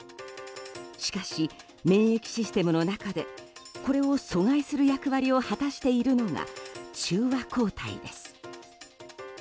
しかし、免疫システムの中でこれを阻害する役割を果たしているのが中和抗体です。